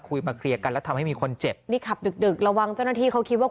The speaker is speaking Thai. มาเคลียร์กันแล้วทำให้มีคนเจ็บนี่ขับดึกดึกระวังเจ้าหน้าที่เขาคิดว่า